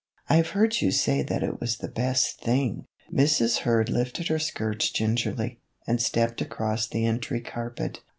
I 've heard you say that it was the best thing " Mrs. Hurd lifted her skirts gingerly, and stepped across the entry carpet.